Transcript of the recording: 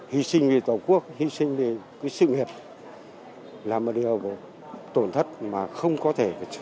hy sinh vì tổ quốc hy sinh vì sự nghiệp là một điều tổn thất mà không có thể